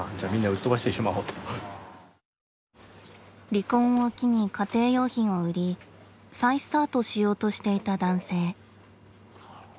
離婚を機に家庭用品を売り再スタートしようとしていた男性。